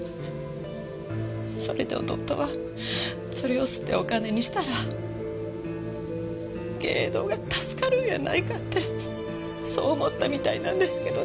それで弟はそれを摺ってお金にしたら藝榮堂が助かるんやないかってそう思ったみたいなんですけどね。